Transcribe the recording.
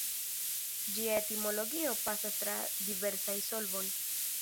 Ĝia etimologio pasas tra diversaj solvoj.